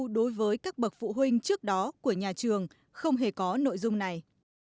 đối với các bậc phụ huynh trước đó của nhà trường không hề có nội dung này